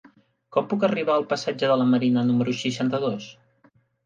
Com puc arribar al passatge de la Marina número seixanta-dos?